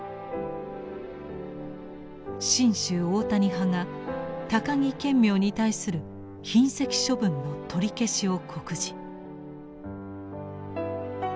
真宗大谷派が高木顕明に対する擯斥処分の取り消しを告示。